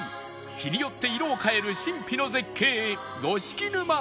日によって色を変える神秘の絶景五色沼と